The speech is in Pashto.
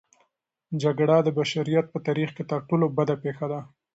جګړه د بشریت په تاریخ کې تر ټولو بده پېښه ده.